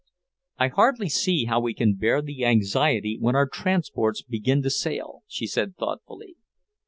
"I hardly see how we can bear the anxiety when our transports begin to sail," she said thoughtfully.